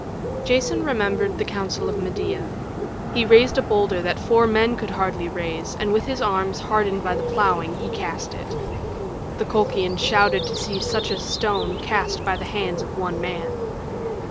Jason remembered the counsel of Medea. He raised a boulder that four men could hardly raise and with arms hardened by the plowing he cast it. The Colchians shouted to see such a stone cast by the hands of one man.